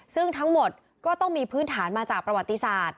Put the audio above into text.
ซึ่งทั้งหมดก็ต้องมีพื้นฐานมาจากประวัติศาสตร์